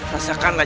raja ibu nda